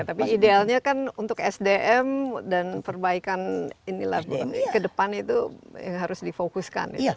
tapi idealnya kan untuk sdm dan perbaikan inilah ke depan itu yang harus difokuskan